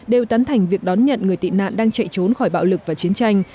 đều tấn thành việc đón nhận người tị nạn đang chạy trốn khỏi bạo lực và chiến tranh